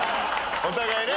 お互いね。